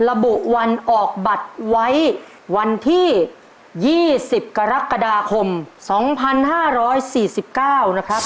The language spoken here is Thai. ระบุวันออกบัตรไว้วันที่๒๐กรกฎาคม๒๕๔๙นะครับ